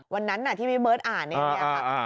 วันนั้นน่ะที่พี่เบิร์ดอ่านอย่างนี้ครับ